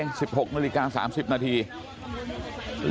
แล้วป้าไปติดหัวมันเมื่อกี้แล้วป้าไปติดหัวมันเมื่อกี้